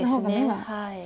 はい。